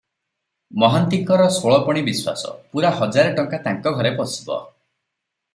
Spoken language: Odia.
ମହାନ୍ତିଙ୍କର ଷୋଳପଣି ବିଶ୍ୱାସ, ପୂରା ହଜାରେ ଟଙ୍କା ତାଙ୍କ ଘରେ ପଶିବ ।